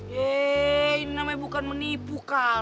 yeee ini namanya bukan menipu kal